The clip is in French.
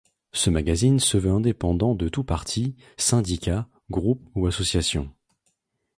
Ce magazine se veut indépendant de tout parti, syndicat, groupe ou association.